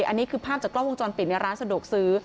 อันนี้คือภาพจากกล้องวงจรปิดในร้านสะดวกซื้อ